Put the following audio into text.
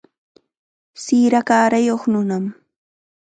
Sira kaarayuq nunam.